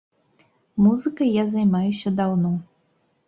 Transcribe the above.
Музыкай я займаюся даўно.